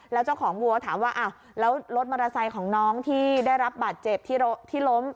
แล้วเจ้าของวัวถามว่าอ้าวแล้วรถมอเตอร์ไซค์ของน้องที่ได้รับบาดเจ็บที่ล้ม